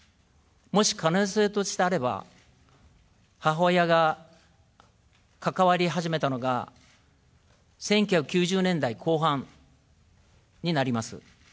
もし可能性としてあれば、母親が関わり始めたのが１９９０年代後半になります。